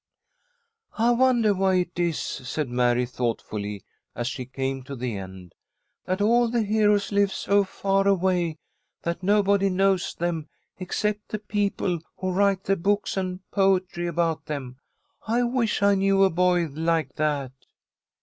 '" "I wonder why it is," said Mary, thoughtfully, as she came to the end, "that all the heroes live so far away that nobody knows them except the people who write the books and poetry about them. I wish I knew a boy like that."